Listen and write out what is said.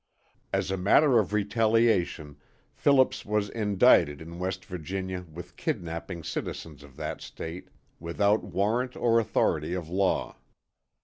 As a matter of retaliation Phillips was indicted in West Virginia with kidnapping citizens of that State without warrant or authority of law.